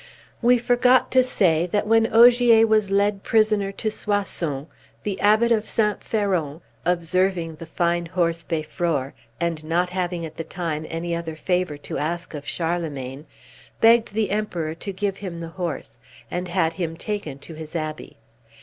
We forgot to say that, when Ogier was led prisoner to Soissons, the Abbot of Saint Faron, observing the fine horse Beiffror, and not having at the time any other favor to ask of Charlemagne, begged the Emperor to give him the horse, and had him taken to his abbey.